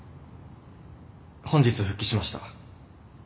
本日復帰しました。